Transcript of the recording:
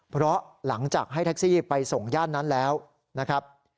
เพราะหลังจากให้แท็กซี่ไปส่งย่านนั้นแล้วนะครับ